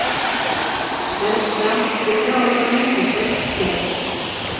ھەر ئىشتا ئوتتۇرا ھالقىنى كۆزدە تۇتۇش كېرەك.